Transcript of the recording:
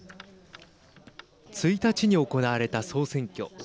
１日に行われた総選挙。